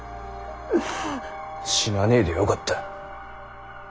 死なねぇでよかった。